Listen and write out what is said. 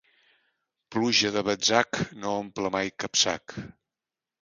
Pluja de batzac no omple mai cap sac.